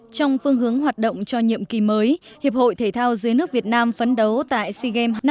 trong phương hướng hoạt động cho nhiệm kỳ mới hiệp hội thể thao dưới nước việt nam phấn đấu tại sea games hai nghìn hai mươi